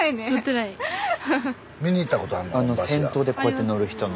見にいったことあんの？